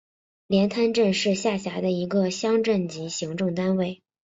连滩镇是下辖的一个乡镇级行政单位。